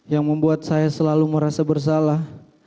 yang membuat saya selalu merasa bersalah